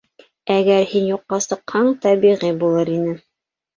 Әгәр һин юҡҡа сыҡһаң, тәбиғи булыр ине.